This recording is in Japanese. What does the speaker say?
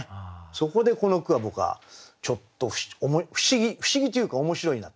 そこでこの句は僕はちょっと不思議不思議というか面白いな。